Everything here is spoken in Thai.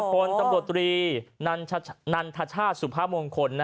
คนตำรวจตรีนันทชาติสุภามงคล